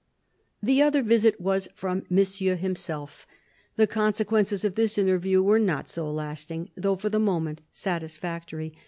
The other visit was from Monsieur himself. The consequences of this interview were not so lasting, though for the moment satisfactory.